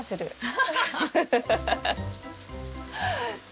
ハハハハッ。